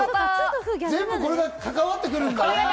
全部これが関わってくるのね。